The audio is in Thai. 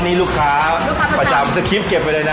แต่นี้ลูกค้าประจำสกริสเข็มไปเลยนะ